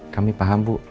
kami paham bu